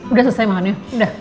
udah selesai makan ya